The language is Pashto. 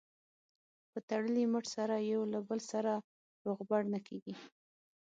په تړلي مټ سره یو له بل سره روغبړ نه کېږي.